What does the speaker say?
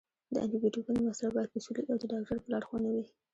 د انټي بیوټیکونو مصرف باید اصولي او د ډاکټر په لارښوونه وي.